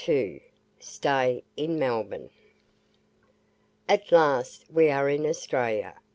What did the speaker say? STAY IN MELBOURNE At last we are in Australia.